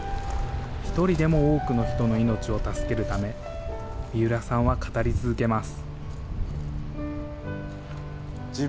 一人でも多くの人の命を助けるため、三浦さんは語り続けます。